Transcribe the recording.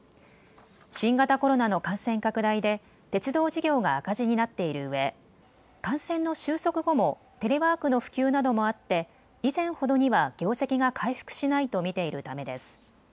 新型コロナの感染拡大で鉄道事業が赤字になっているうえ感染の収束後もテレワークの普及などもあって以前ほどには業績が回復しないと見ているためです。